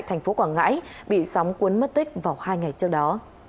thành phố quảng ngãi bị sóng cuốn mất tích vào hai ngày trước đó